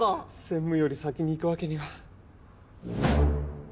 専務より先に行くわけには。